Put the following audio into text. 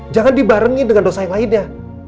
jangan dibarengi dengan dosa yang lainnya